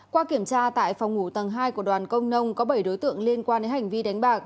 qua kiểm tra tại phòng ngủ tầng hai của đoàn công nông có bảy đối tượng liên quan đến hành vi đánh bạc